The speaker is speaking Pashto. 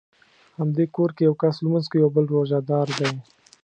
همدې کور کې یو کس لمونځ کوي او بل روژه دار دی.